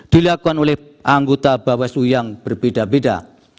dilakukan oleh anggota bawaslu yang berbeda beda